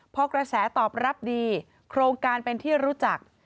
พอกระแสตอบรับดีโครงการเป็นที่รู้จัก